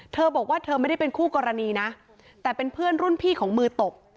เธอบอกว่าเธอไม่ได้เป็นคู่กรณีนะแต่เป็นเพื่อนรุ่นพี่ของมือตบ